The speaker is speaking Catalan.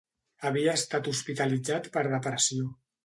Havia estat hospitalitzat per depressió.